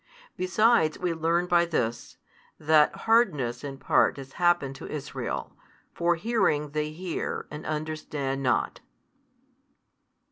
Besides we learn by this, that hardness in part is happened to Israel. For hearing they hear and understand not.